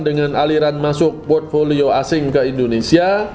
dengan aliran masuk portfolio asing ke indonesia